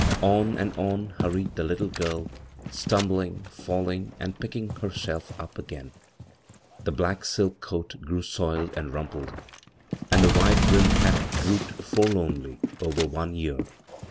On and on hurried the little girl, stum bling, falling, and picking herself up again. The black silk coat grew soiled and rumpled, and the wkle brlmmed hat drooped forlornly over one ear.